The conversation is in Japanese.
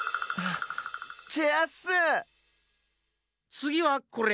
つぎはこれ。